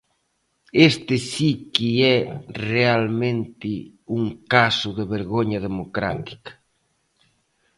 Este si que é realmente un caso de vergoña democrática.